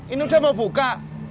ini udah mau buka